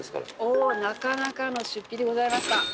おおなかなかの出費でございました。